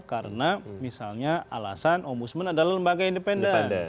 karena misalnya alasan ombudsman adalah lembaga independen